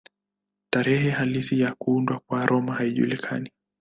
Tarehe halisi ya kuundwa kwa Roma haijulikani.